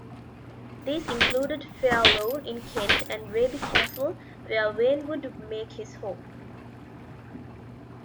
These included Fairlawn in Kent, and Raby Castle, where Vane would make his home.